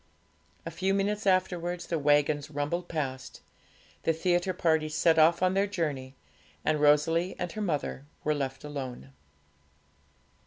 A few minutes afterwards the waggons rumbled past, the theatre party set off on their journey, and Rosalie and her mother were left alone.